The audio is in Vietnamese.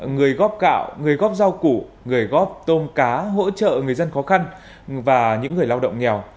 người góp gạo người góp rau củ người góp tôm cá hỗ trợ người dân khó khăn và những người lao động nghèo